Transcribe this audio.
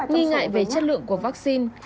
nghĩ ngại về chất lượng của vaccine